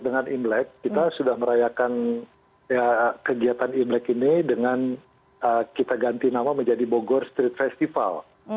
dengan imlek kita sudah merayakan kegiatan imlek ini dengan kita ganti nama menjadi bogor street festival